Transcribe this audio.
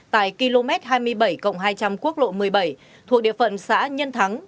tại km hai mươi bảy hai trăm linh quốc lộ một mươi bảy thuộc địa phận xã nhân thắng